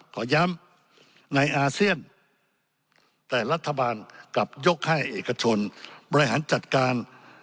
ขอย้ำในอาเซียนแต่รัฐบาลกลับยกให้เอกชนบริหารจัดการ